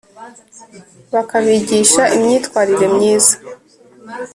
bakabigisha imyitwarire myiza